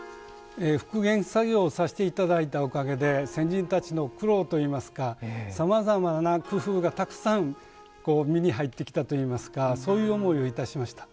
復元作業をさせて頂いたおかげで先人たちの苦労といいますかさまざまな工夫がたくさん身に入ってきたといいますかそういう思いをいたしました。